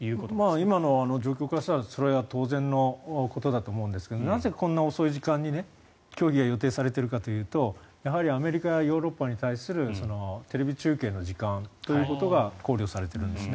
今の状況からしたらそれは当然のことかと思うんですがなぜ、こんな遅い時間に競技が予定されてるかというとやはりアメリカやヨーロッパに対するテレビ中継の時間が考慮されているんですね。